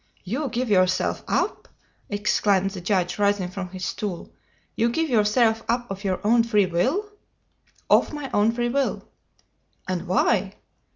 "You give yourself up!" exclaimed the judge, rising from his stool. "You give yourself up of your own free will?" "Of my own free will." "And why?"